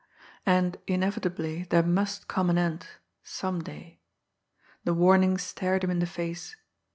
And inevitably there must come an end some day. The warning stared him in the face.